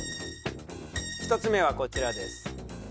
１つ目はこちらです。